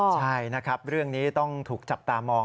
ใช่นะครับเรื่องนี้ต้องถูกจับตามอง